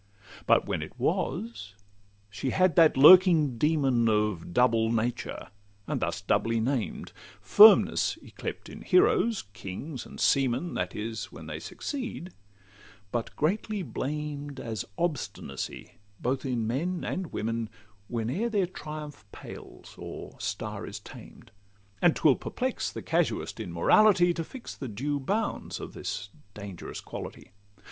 But when it was, she had that lurking demon Of double nature, and thus doubly named— Firmness yclept in heroes, kings, and seamen, That is, when they succeed; but greatly blamed As obstinacy, both in men and women, Whene'er their triumph pales, or star is tamed:— And 'twill perplex the casuist in morality To fix the due bounds of this dangerous quality.